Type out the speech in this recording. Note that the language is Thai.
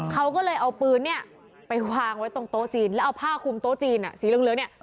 เขาก็เลยเอาปืนเนี่ยไปวางไว้ตรงโต๊ะจีนแล้วเอาผ้าคุมโต๊ะจีนสีเหลืองเนี่ย